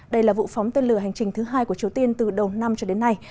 đây là vụ phóng tên lửa hành trình thứ hai của triều tiên từ đầu năm cho đến nay